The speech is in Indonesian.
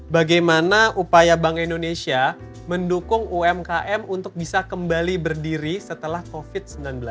bagaimana upaya bank indonesia mendukung umkm untuk bisa kembali berdiri setelah covid sembilan belas